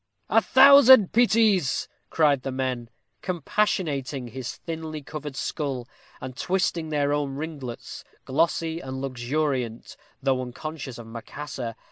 "A thousand pities!" cried the men, compassionating his thinly covered skull, and twisting their own ringlets, glossy and luxuriant, though unconscious of Macassar.